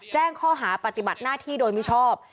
แจ้งข้อหาปฏิบัติหน้าที่โดยมิชอบ